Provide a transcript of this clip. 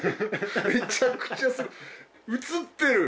めちゃくちゃすごい！映ってる！